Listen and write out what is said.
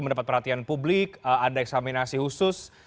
mendapat perhatian publik ada eksaminasi khusus